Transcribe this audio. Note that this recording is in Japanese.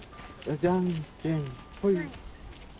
じゃんけんポイ。